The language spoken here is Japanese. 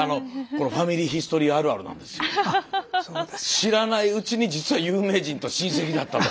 知らないうちに実は有名人と親戚だったと。